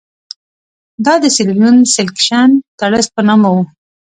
دا د سیریلیون سیلکشن ټرست په نامه وو.